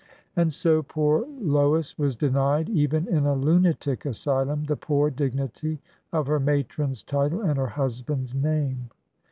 And so poor Lois was denied, even in a lunatic asylum, the poor dignity of her matron's title and her husband's name.